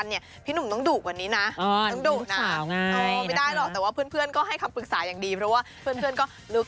เตรียมรับต้นลูกสาวก